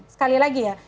sekali lagi ya